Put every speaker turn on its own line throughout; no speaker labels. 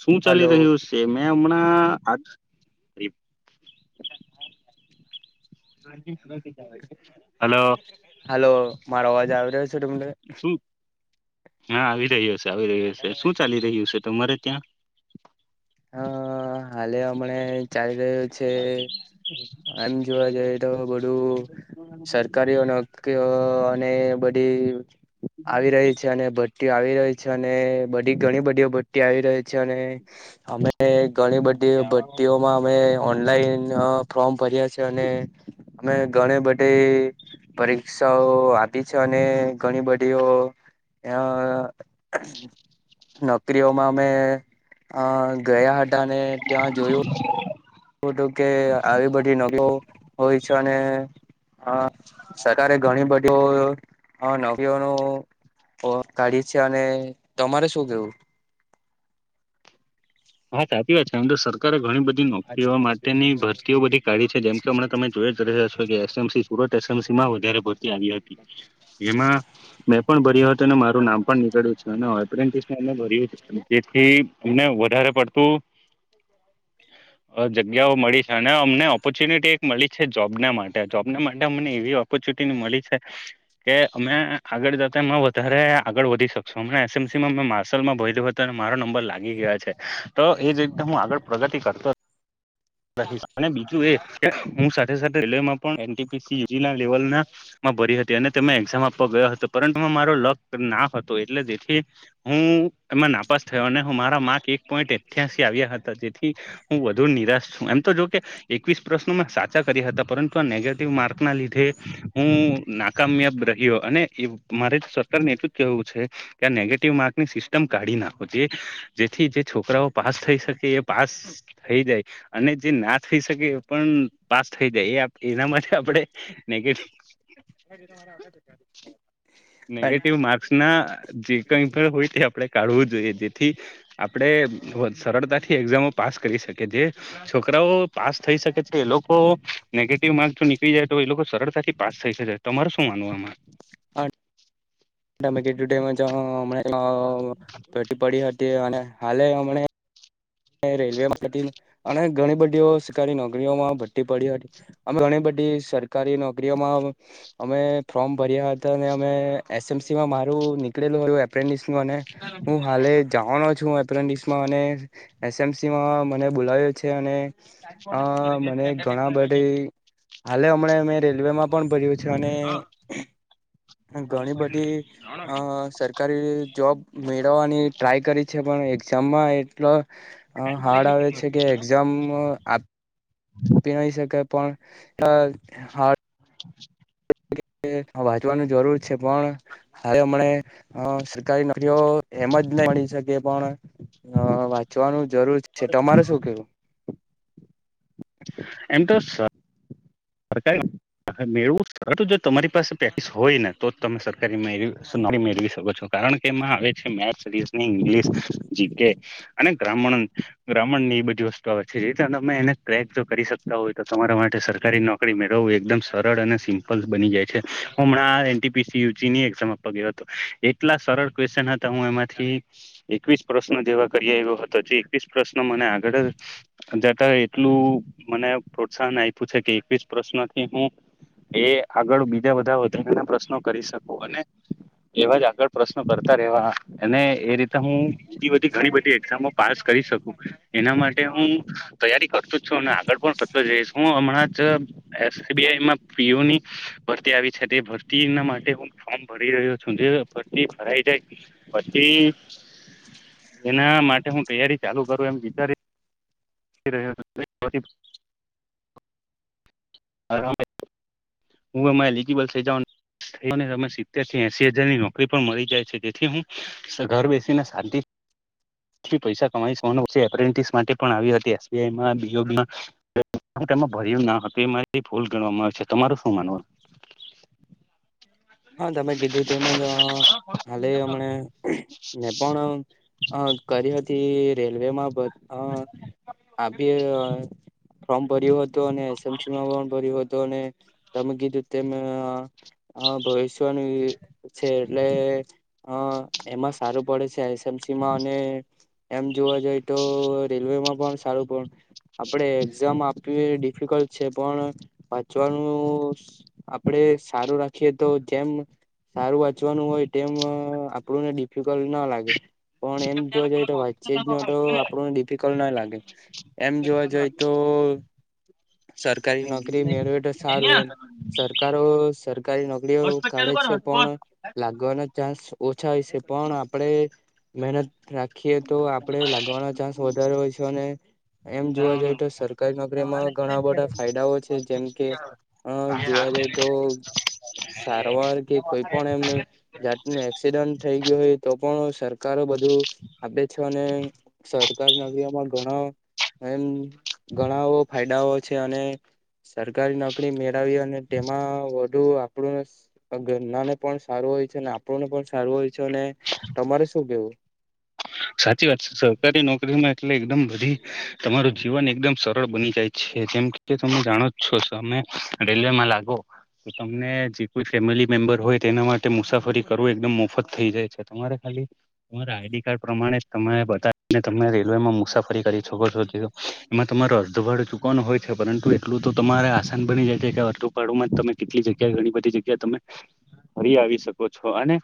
શું
હલો
ચાલી રહ્યું છે, મેં હમણાં આજ. [unintelligible]
હાલો મારો અવાજ આવી રહ્યો છે તમને?
શું હા આવી રહ્યો શે આવી રહ્યો હશે શું ચાલી રહ્યું છે તમારે ત્યાં?
હા હાલે હમણા ચાલી રહ્યું છે. આમ જોવા જઈએ તો બધું સરકારીઓ નોકરીઓ અને બધી એ આવી રહી છે અને ભટ્ટી આવી રહી છે અને બધી ઘણી બધીઓ ભટ્ટી આવી રહી છે અને અમે ઘણી બધી ભટ્ટીઓમાં અમે ઓનલાઈન ફોર્મ ભર્યા છે અને અમે ઘણી બધે પરીક્ષાઓ આપી છે અને ઘણી બધીઓ અ નોકરીઓમાં અમે અ ગયા હતા હતા ને ત્યાં જોયું શું હતું કે આવી બધી નકો હોય છે અને હા સરકારે ઘણી બધી હા નવીઓ નો કાઢી છે અને તમારે શું કેવું
હા સાચી વાત છે આમ તો સરકારે ઘણી બધી નોકરીઓ માટેની ભરતીઓ બધી ગાડી છે જેમ કે હમણા તમે જોઇજ રહ્યા છો [unintelligible] એ. M. C Surat S. M. C માં વધારે ભરતી આવી હતી એમાં મેં પણ ભર્યો હતો મારું નામ પણ નીકળ્યું છે અને [unintelligible] ભર્યું જેથીને વધારે પડતું
[inaudible]
જગ્યાઓ મળી છે અને અમને ઓપોર્ચ્યુનિટી એક મળી છે જોબને માટે જોબને માટે અમને એવી ઓપ ચૂટી મળી છે કે અમે આગળ જતા એમાં વધારે આગળ વધી શકશો અમ એસએમસી મેં માર્સલમાં ભોધ્યો હતો અને મારો નંબર લાગી ગયા છે. તો એ જ રીતે હું આગળ પ્રગતિ કરતો. અને બીજું એ કે હું સાથે સાથે રેલવેમાં પણ [unintelligible] એી લેવલ ના ભરી હતી અને તેમાં એક્ઝામ આપવા ગયો હતો પરંતુ મારો લક ના હતો એટલે તેથી હું એમાં નાપાસ થયો અને હ મારા માર્ક એક પોઈન્ટ અઠ્યાસી આવ્યા હતા જેથી હું વધુ નિરાશ છું એમ તો જો કે એકવીસ પ્રશ્નો મે સાચા કર્યા હતા પરંતુ આ નેગેટિવ માર્ક ના લીધે હું નાકામયાબ રહ્યો અને મારે સરકાર ને એટું જ કેવું છે. ત્યાં નેગેટિવ માર્કની સિસ્ટમ કાઢી નાખો જે જેથી જે છોકરાઓ પાસ થઈ શકે એ પાસ થઈ જાય. અને જે ના થઈ શકે એ પણ પાસ થઈ જાય એ એના માટે આપણે નેગ નેગેટિવ માર્ક્સ ના જે કઈ પણ હોય તે આપ કાઢવું જોઈએ જેથી આપણે સરળતાથી એક્ઝામો પાસ કરી શકે જે છોકરાઓ પાસ થઈ શકે છે, એ લોકો નેગેટિવ માર્ક જો નીકળી જાય તો એ લોકો સરળતાથી પાસ થઈ શકે તમાર હુ, માનવામા
હ તમે કીધુ, તેમ જ હ પડી હતી. તે અને હાલે, હમણા રેલવે માટેથી. અને ઘણી બધીઓ સરકારી નોકરીઓમાં ભઠ્ટી પડી હતી. અમ ઘણી બધી સરકારી નોકરીઓમાં અમે ફોર્મ ભર્યા હતા, અને અમે એસ. એમ. સીમાં મારુ, નીકળેલુ મત એપ્રેડિસ ને હુ હાલે જવાનો છુ, એપ્રેન્ડસમા એસએમસીમાં મને બોલાવ્યો છે, અને આ મને ઘણા બધા હાલે, હમણાં મેં રેલવે માં પણ ભર્યુ છે, અને ઘણી બધી અ સરકારી જોબ મેળવવાની ટ્રાય કરી છે, પણ એક્ઝામમાં એટલો હાર્ડ આવે છે કે એક્ઝામ પીણી શકે પણ અ હ
[inaudible]
એ રીતે વાંચવાનુ જરૂર છે. છે, પણ હવે અમને સરકારી નોકરીઓ એમ જ નહી, મળી શકે પણ હ, વાંચવાનુ જરૂર છે. તમારે શું કેવુ
એમ તો સર કઈ હ, મેળવું સર જો તમારી પાસે પેકસ હોય ને તો તમે સરકારી મેળ નૌકરી મેળવી શકો છો. કારણ કે એમાં આવે છે, maths, reasoning English G K અને ગ્રહ્મણ બ્ર્મણ ની એ બધી વસ્તુ આવે છે, જે તમે એને ક્રેક જો કરી શકતા હોય, તો તમે તમારા માટે સરકારી નોક મેળવું એકદમ સરળ અને સિમ્પલ બની જાય છે. હું હમણા આ એપીસી યજીની એક્ઝામ આપવા ગયો, હતો એટલા સરળ ક્વેશન હતા, હુ એમાંથી એકવીસ પ્રશ્નો જેવા કર્ય અયો હતો જે એક પ્રશ્ન મને આગળ જ જતા એટલું મને પ્રોત્સાહન આપ્યું છે, કે એકસ પ્રશ્નોથી હુ એ આગળ બીજા બધા વધારાના પ્રશ્નો કરી શકું અને એવાજ આગળ પ્રશ્ન કરતા રવા અને એ રીતે હુ, બીજી બધી ઘણી બધી એક્ઝામો પાસ કરી શકું એના માટે હુ તૈયારી કરતો જ છુ. અને આગળ પણ કરતો જઈશ હુ હમણા તો એસ. બી. આઈમાં પી. ઓ ની ભરતી આવી છે, તે ભરતી ના માટે હું ફોર્મ ભરી રહ્યો છુ જે પતી ભરાઈ જાય પછી એના માટે હુ, તૈયારી ચાલુ કરું એમ વિચારી [unintelligible] હ હુ, મા લબલસે જા સ્તને તમે સિત્તેર કે એસી હજારની નોકરી પણ મળી જાય છે, જેથી હુ ઘર બેસીને શાંતિ થી પૈસા કમાઈ સવાનો એપ્રેન્ટિસ માટે પણ આવી હતી, એસ. બી. આમાં બી. ઓ. પીમા એમાં ભર્યું ના હતું એ મારી ભૂલ ગણવામાં આવે છે. તમારું શું માનવુ
હા, તમે કીધું તેમજ હાલે હમને મેં પણ કરી હતી, રેલવેમા હ આી ફોર્મ ભર્યું તો ને એસ. મસીમાં ભર્યુ હતો, અને તમે કીધું તેમ ભવિષ્યની છે, એટલે અ એમાં સારું પડે છે. એમ. સીમા, અને એમ જોવા જઈ તો રેલવેમાં પણ સારુ પણ આપડે એક્ઝામ આપવી ડિફિકલ્ટ છે, પણ વાંચવાનુ આપડે સારું રાખીએ તો જેમ સારુ વાચવાનુ હોય, તેમ આપણુંને ડિફિકલ્ટ ના લાગે. પણ એમ જોવા જઈએ તો વઈચેજ ન તો આપણું ડિફિકલ્ટ ના લાગે એમ જોવા જએ તો હમ્મ. સરકારી નોકરી મેળવે તો સારું એમ. સરકારો સરકારી નોક ઓ કાઢે છે પણ લાગવાના ચાન્સ ઓછા હોય છે પણ આપણે મહેનત રાખીએ તો આપડે લાગવાનો ચાન્સ વધારે હોય છે અને એમ જોવા જઈ તો સરકારી નોકરીમાં ઘણા બધા ફાયદાઓ છે. જેમ કે હા જોવા જાય તો સારોવાર કે કોઈ પણ એમ જાતનું એક્સિડન્ટ થઈ ગયું હોય તો પણ સરકારો બધું આપે છે અને સરકારી નોકરીઓમાં ઘણા એમ ઘણા ફાયદાઓ છે અને સરકારી નોકરી મેળવી અને તેમાં વધુ આપણું ઘરના ને પણ સારું હોય છે અને આપણુંને પણ સારું હોય છે અને તમારે શું કેવું?
સાચી વાત સરકારી નોકરીમાં એટલે એકદમ બધી તમારું જીવન એકદમ સરળ બની જાય છે. જેમ કે તમે જાણો જ છો સમય ડેલ્વેમા લાગો તો તમને જે કોઈ ફેમિલી મેમ્બર હોય તેના માટે મુસાફરી કરવું એકદમ મોફત થઈ જાય છે, તમારા ખા ર આઈડી કાર્ડ પ્રમાણે તમે બને તમે રેલવેમાં મુસાફરી કરી શકો છો, એમાં તમારો અડધવાડ કો હોય છે, પરંતુ એટલું તો તમારે આસાન બની જાય છે કે વર્તુપાડુમાં જ તમે કેટલી જગ્યા ઘણી બધી જગ્યા તમે ફરી આવી શકો છો અને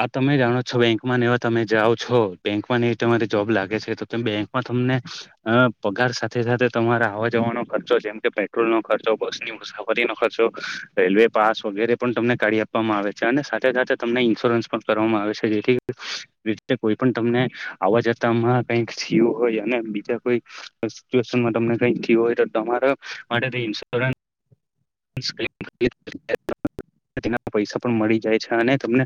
આ તમે જાણો છો બેંક માં એવા તમે જાઓ છો. બેંકમાં નહી તમારી જોબ લાગે છે તો બેંકમાં તમને અ પગાર સાથે સાથે તમારા આવ જવા ઘણો ખર્ચો જેમ કે પેટ્રોલનો ખર્ચો, બસની મુસાફરી નો ખર્ચો, રેલવે પાસ વગેરે પણ તમને કરી આપવામાં આવે છે અને સાથે સાથે તમને ઇન્સ્યોરન્સ પણ કરવામાં આવે છે. જેથી કોઈ પણ તમને આવવા જતા કઈક થયું હોય અને બીજા કોઈ સીચવેશનમાં કઈ થયું હોય તો તમારા માટે ઇનસોરન્સ તેના પૈસા પણ મળી જાય છે અને તમને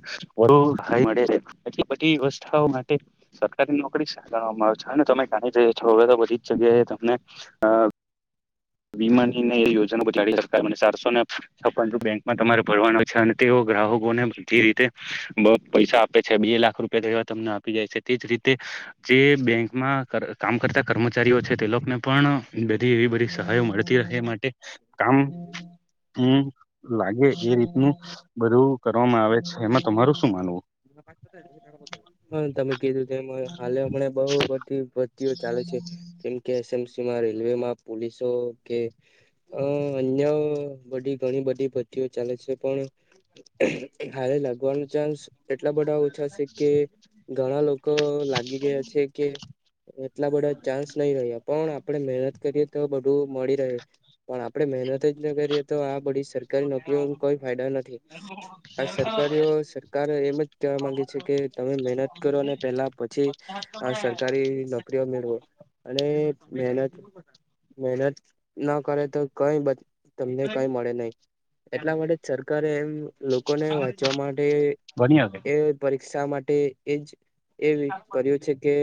[inaudible] બધી વ્યવસ્થાઓ સરકારી નોકરી સાચવામાં આવે છે અને તમે કાણી જ છો હવે તો બધી જ જગ્યાએ તમને અ
[unintelligible]
વીમા ને એ યોજના બજાડી સરકાર મને ચારસો ને છ્પન બેંકમાં તમારે ભરવાનો છે અને તેઓ ગ્રાહકો ને બધી રીતે પૈસા આપે છે બે લાખ રૂપિયા જેવા તમને આપી જાય છે. તેજ રીતે જે બેંકમાં કર કામ કરતા કર્મચારીઓ છે તે લોકોને પણ બધી એવી બધી સહાય મળતી રહે માટે કામ હમ્મ લાગે એ રીતનું બધું કરવામાં આવે છે. એમાં તમારું શું માનવું?
હા તમે કેય હા હમણાં બહુ બધી ભરતીઓ ચાલે છે. જેમકે એસ એમ સીમાં, રેલવેમાં, પોલીસો કે અ અન્ય બધી ઘણી બધી ભ્તીઓ ચાલે છે પણ હારે લાગવાનો ચાન્સ એટલા બધા ઓછા છે કે ઘણા લો કો લાગી ગયા છે કે એટલા બધા ચાન્સ નહી રહ્યા પણ આપડે મહેનત કરીએ તો બધું મળી રહે પણ આપડે મહેનત જ કરીએ તો આ બધી સર કારી નોકરીઓ કોઈ ફાયદા નથી આ સરકારીઓ સરકાર એમ જ કેવા માંગે છે કે તમે મહેનત કરો અને પેલા પછી સરકારી નોકરીઓ મેળવો. અને મહેનત મહેનત ના કરે તો કઈ બ તમને કઈ મળે નહીં. એટલા માટે જ સરકારે એમ લોકોને વાંચવા માટે
ભણી આવે
એ પરીક્ષા માટે એજ એવી કર્યું છે કે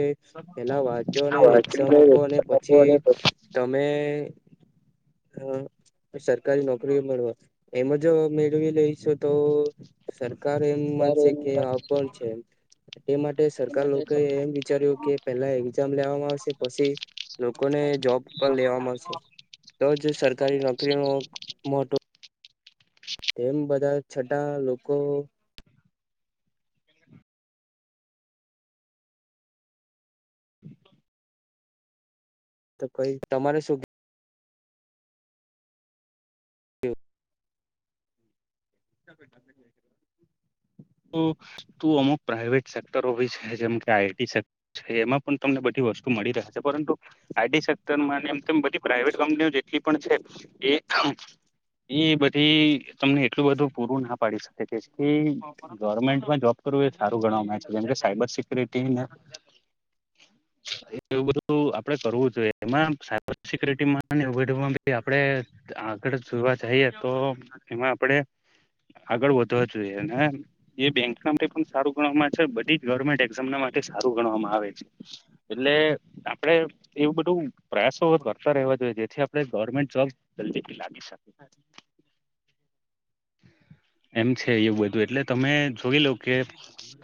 પેલા વાંચો અને એક્ઝામ આપો અને પછી ત અમે અ સરકારી નોકરી મળવા એમાં જો મેળવી લઈશું તો. સરકાર એમ માનશે કે આ પણ છે, તે માટે. સરકાર લોકો એ એમ વિચાર્યું કે પેલા એક્ઝામ લેવામાં આવશે પછી. લોકોને જોબ પર લેવાવામાંશે. તો જ સરકારી નોકરી ન મોટો. તેમ બધા છટા લોકો. તો કઈ તમારે શું. હ [inaudible] [inaudible]
તો તું અમુક પ્રાઈવેટ સેક્ટરો હોય છે, જેમ કે આઈ ટી સેક્ટર છે એમાં પણ તમને બધી. વસ્તુ મળી રહે છે, પરંતુ આઈ ટી સેક્ટરમાં ને એમ તેમ બધી પ્રઇવેટ કંપનીઓ જેટલી પણ છે, એ. એ બધી તમને એટલું બધું પૂરું ના પાડી શકે કે [unintelligible] ગવર્મેન્ટમાં જોબ કરવું એ સારું ગણમાં આવે છે, જેમ સાયબર સિક્યુરિટી ને. એવું બધું આપડે કરવું જોઈએ. એમાં સાયબર સિકુરિટીમાં આપણે આગળ જોવા જઈએ તો એમાં આપડે આગળ વધવા જોઈએ અને એ બેંક માટે પણ સારું ગણવામાં આવે છે. બધી જ ગવર્મેન્ટ એઝામ માટે સારું ગણવામાં આવે છે. એટલે આપડે એવું બધું પ્રયાસો કરતા રહેવા જોઈએ. જેથી આપે ગવર્મેન્ટ જોબ લાગી શકે. એમ છે, એવું બધું એટલે તમે જોઈ લોઉ કે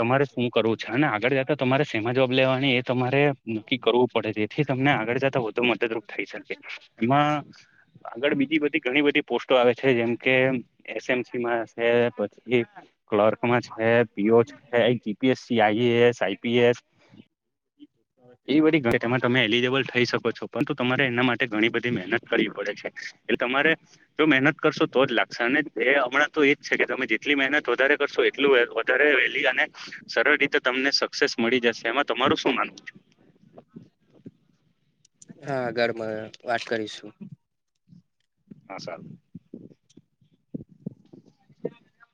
તમારે હું કરવું છે, અને આગળ જતા તમારે. એમાં જોબ લેવાની એ તમારે કી કરવું પડે જેથી તમને આગળ જતા વધુ મદદરૂપ થઈ શકે. ઈમા આગળ બીજી બધી. ઘણી બધી પોસ્ટો આવે છે, જેમકે એસમસીમાં છે, પછી. ક્લર્કમાં છે પીઓ છે, જીપીએસ આઈએસ આઈપીએસ. એવી બધી [unintelligible] તેમાં તમે એલિજબલ થઈ શકો છો પરંતુ તમારે એના માટે ઘણી બધી મહેનત કડવી પડે છે. એટલે તમારે જો મહેનત કરશો તો જ લાગશે અને એ હમણાં તો એજ છે, કે તમે જેટલી મહેનત વધારે કરશો. [unintelligible] વધારે વહેલી અને સરળ રીતે તમને સક્સેસ મળી જશે એમાં તમારું શું માનવું.
હા ઘરમાં વાત કરીશું.
હા [unintelligible]